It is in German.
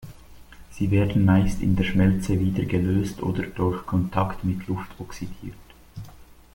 Sie werden meist in der Schmelze wieder gelöst oder durch Kontakt mit Luft oxidiert.